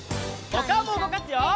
おかおもうごかすよ！